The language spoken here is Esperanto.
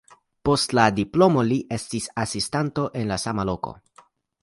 Post la diplomo li estis asistanto en la sama loko.